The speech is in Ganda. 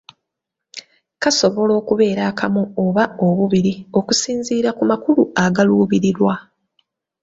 Kasobola okubeera akamu oba obubiri, okusinziira ku makulu agaluubirirwa.